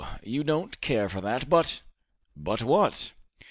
you don't care for that. But " "But what?"